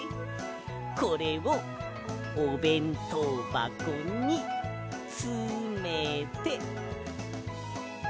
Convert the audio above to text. これをおべんとうばこにつめて。